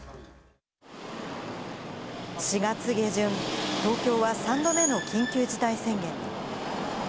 ４月下旬、東京は３度目の緊急事態宣言。